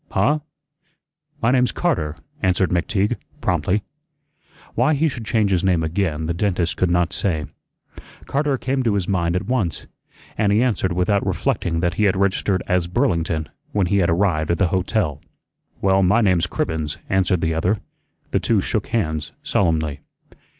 "Huh? My name's Carter," answered McTeague, promptly. Why he should change his name again the dentist could not say. "Carter" came to his mind at once, and he answered without reflecting that he had registered as "Burlington" when he had arrived at the hotel. "Well, my name's Cribbens," answered the other. The two shook hands solemnly.